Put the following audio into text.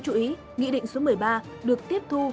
chú ý nghị định số một mươi ba được tiếp thu